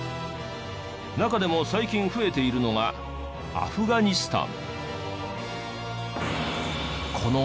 中でも最近増えているのがアフガニスタン。